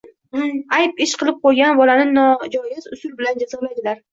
Ayb ish qilib qo‘ygan bolani nojoiz usul bilan jazolaydilar.